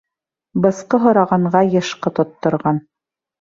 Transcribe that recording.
Бысҡы һорағанға йышҡы тотторған.